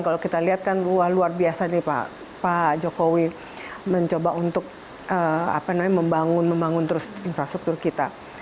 kalau kita lihat kan wah luar biasa nih pak jokowi mencoba untuk membangun membangun terus infrastruktur kita